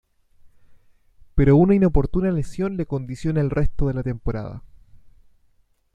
Pero una inoportuna lesión le condiciona el resto de la temporada.